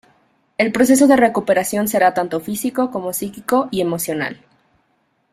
El proceso de recuperación será tanto físico como psíquico y emocional.